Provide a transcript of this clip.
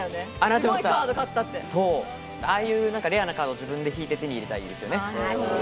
レアなカードを自分で引いて、手に入れたいんですよね。